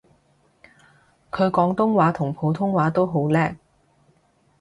佢廣東話同普通話都好叻